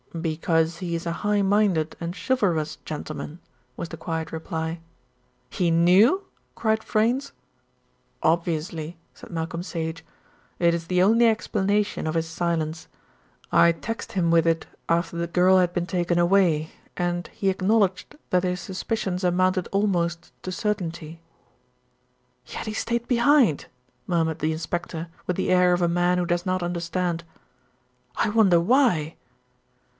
"Because he is a high minded and chivalrous gentleman," was the quiet reply. "He knew?" cried Freynes. "Obviously," said Malcolm Sage. "It is the only explanation of his silence. I taxed him with it after the girl had been taken away, and he acknowledged that his suspicions amounted almost to certainty." "Yet he stayed behind," murmured the inspector with the air of a man who does not understand. "I wonder why?"